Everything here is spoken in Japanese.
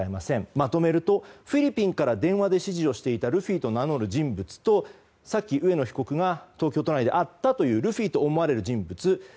まとめるとフィリピンから電話で指示していたルフィと名乗る人物と上野被告が東京都内で会ったとみられるルフィと思われる人物。